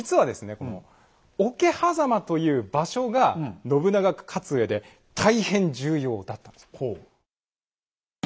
この桶狭間という場所が信長が勝つうえで大変重要だったんですよ。